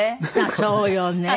そうよね。